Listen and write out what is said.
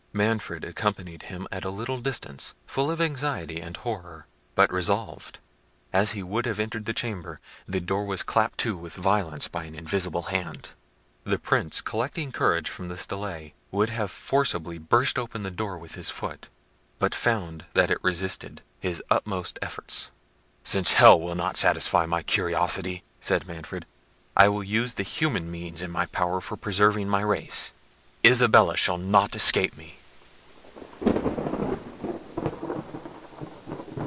Manfred accompanied him at a little distance, full of anxiety and horror, but resolved. As he would have entered the chamber, the door was clapped to with violence by an invisible hand. The Prince, collecting courage from this delay, would have forcibly burst open the door with his foot, but found that it resisted his utmost efforts. "Since Hell will not satisfy my curiosity," said Manfred, "I will use the human means in my power for preserving my race; Isabella shall not escape me."